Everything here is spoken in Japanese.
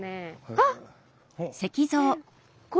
あっ！